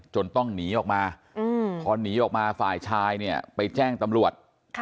ต้องหนีออกมาพอหนีออกมาฝ่ายชายเนี่ยไปแจ้งตำรวจ